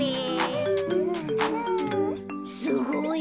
すごい。